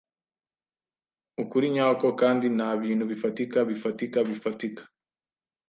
ukuri nyako kandi nta bintu bifatika bifatika bifatika?